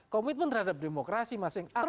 komitmen terhadap demokrasi masing masing